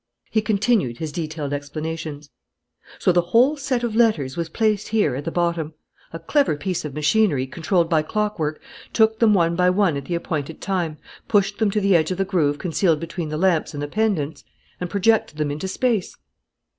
He continued his detailed explanations: "So the whole set of letters was placed here, at the bottom. A clever piece of machinery, controlled by clockwork, took them one by one at the appointed time, pushed them to the edge of the groove concealed between the lamps and the pendants, and projected them into space."